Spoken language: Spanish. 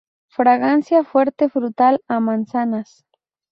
Fragancia fuerte frutal a manzanas.